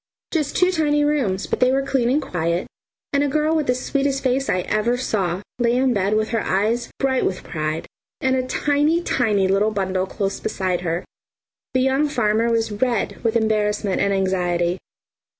Just two tiny rooms, but they were clean and quiet, and a girl with the sweetest face I ever saw, lay in the bed with her eyes bright with pride, and a tiny, tiny little bundle close beside her. The young farmer was red with embarrassment and anxiety.